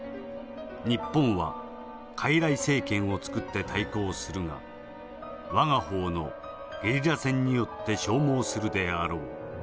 日本は傀儡政権を作って対抗するが我が方のゲリラ戦によって消耗するであろう。